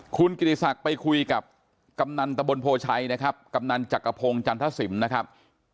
คุณกิติศักดิ์ไปคุยกับกำนันตะบนโพชัยนะครับกำนันจักรพงศ์จันทศิลป์นะครับ